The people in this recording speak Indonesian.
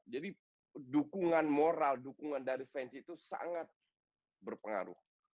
jadi dukungan moral dukungan dari fans itu sangat berpengaruh